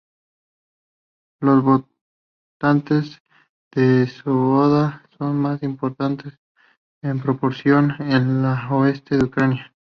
Los votantes de Svoboda son más importantes en proporción en el oeste de Ucrania.